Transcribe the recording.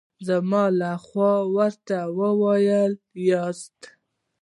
زما له خوا ورته ووایاست.